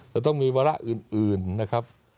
จะต้องมีวาระอื่นนะครับ